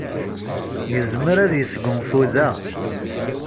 Yezmer ad yesgunfu da.